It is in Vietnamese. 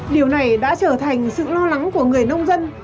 điều này đã trở thành sự lo lắng của người nông dân